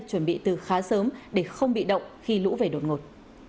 chuẩn bị từ khá sớm để không bị động khi lũ về đột ngột